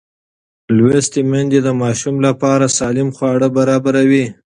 لوستې میندې د ماشوم لپاره سالم خواړه برابروي.